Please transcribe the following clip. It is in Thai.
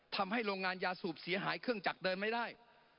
ทำให้โรงงานยาสูบเสียหายเครื่องจักรเดินไม่ได้